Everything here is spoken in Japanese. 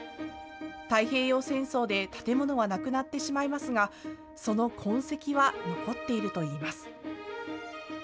太平洋戦争で建物はなくなってしまいますが、その痕跡は残っているといいます。